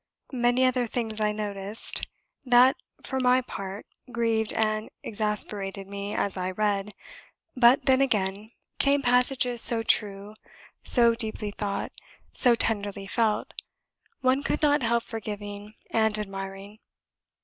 Many other things I noticed that, for my part, grieved and exasperated me as I read; but then, again, came passages so true, so deeply thought, so tenderly felt, one could not help forgiving and admiring.